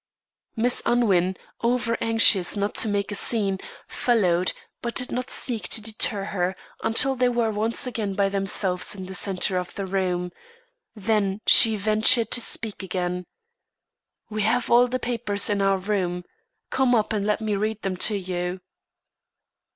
Miss Unwin, over anxious not to make a scene, followed, but did not seek to deter her, until they were once again by themselves in the centre of the room. Then she ventured to speak again: "We have all the papers in our room. Come up, and let me read them to you."